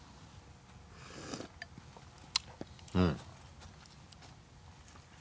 うん。